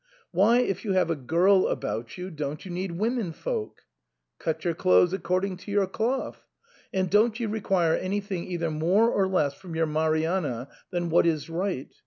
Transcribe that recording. Why if you have a girl about you, don't you need women folk ? Fate il passo secondo la gamba (Cut your clothes according to your cloth), and don't you require anything either more or less from your Marianna than what is right.